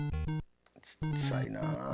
ちっちゃいな。